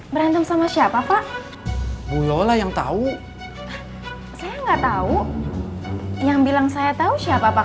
berantem sama siapa pak bulo lah yang tahu saya enggak tahu yang bilang saya tahu siapa pak